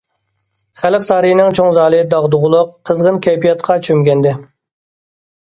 خەلق سارىيىنىڭ چوڭ زالى داغدۇغىلىق، قىزغىن كەيپىياتقا چۆمگەنىدى.